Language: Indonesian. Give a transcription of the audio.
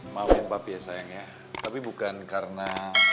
maafin papi ya sayang ya tapi bukan karena